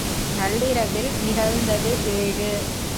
நள்ளிரவில் நிகழ்ந்தது ஏழு.